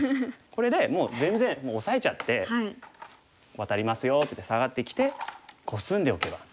これでもう全然オサえちゃってワタりますよって言ってサガってきてコスんでおけば。